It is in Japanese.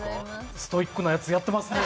ストイックなやつやってますね。